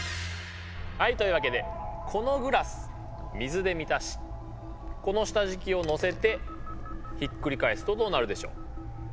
はいというわけでこのグラス水で満たしこの下じきをのせてひっくり返すとどうなるでしょう？